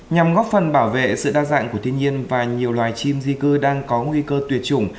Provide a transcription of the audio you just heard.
nhằm góp phần bảo vệ sự đa dạng của thiên nhiên và nhiều loài chim di cư đang có nguy cơ tuyệt chủng